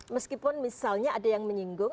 meskipun misalnya ada yang menyinggung